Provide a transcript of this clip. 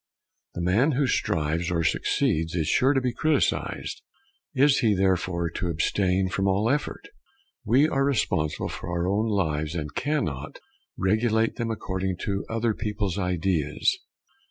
The man who strives or succeeds is sure to be criticized. Is he therefore to abstain from all effort? We are responsible for our own lives and cannot regulate them according to other people's ideas.